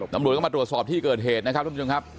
ตำรวจก็มาตรวจสอบที่เกิดเหตุนะครับทุกผู้ชมครับ